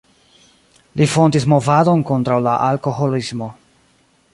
Li fondis movadon kontraŭ la alkoholismo.